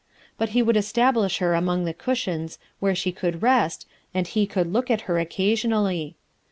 But he would establish her among the cushions where she could rest, and he could look at her occasionally.